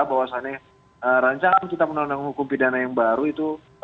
bahwasannya rancangan kita menandung hukum pidana yang baru itu